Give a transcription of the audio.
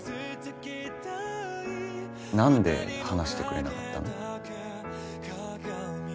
何で話してくれなかったの？